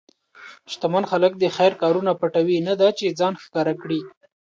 شتمن خلک د خیر کارونه پټوي، نه دا چې ځان ښکاره کړي.